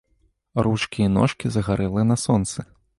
Ручкі і ножкі загарэлыя на сонцы.